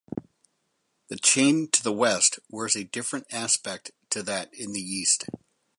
The chain to the west wears a different aspect to that in the east.